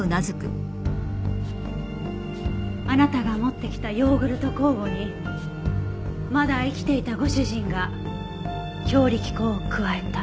あなたが持ってきたヨーグルト酵母にまだ生きていたご主人が強力粉を加えた。